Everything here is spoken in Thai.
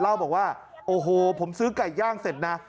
เล่าบอกว่าโอ้โหผมซื้อไก่ย่างเสร็จนะ